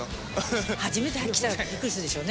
初めて来た人はびっくりするでしょうね。